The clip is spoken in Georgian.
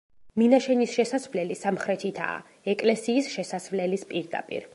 მინაშენის შესასვლელი სამხრეთითაა, ეკლესიის შესასვლელის პირდაპირ.